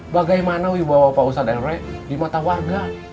bagaimana wibawa pak ustadz rw di mata warga